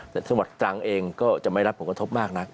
แต่ส่วนตรังเองก็จะไม่รับผลกุฎภพมากนะ